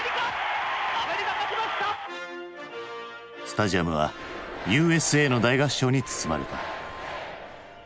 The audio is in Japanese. スタジアムは「Ｕ．Ｓ．Ａ．」の大合唱に包まれた。